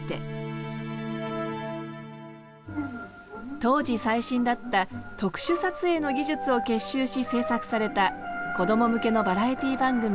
当時最新だった特殊撮影の技術を結集し制作されたこども向けのバラエティー番組